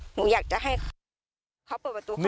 หนูอยากจะให้เขาเขาเปิดประตูเข้ามา